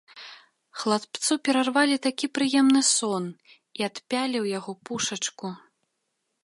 Хлапцу перарвалі такі прыемны сон і адпялі ў яго пушачку.